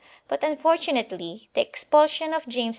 But tmfortunately the expulsion of James II.